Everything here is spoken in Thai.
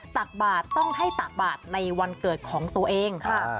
ตักบาทต้องให้ตักบาทในวันเกิดของตัวเองค่ะ